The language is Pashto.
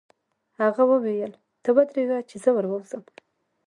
هغه وویل: ته ودرېږه چې زه ور ووځم.